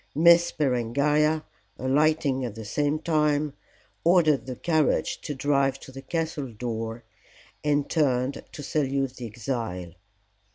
Miss Berengaria, alighting at the same time, ordered the carriage to drive to the castle door, and turned to salute the exile.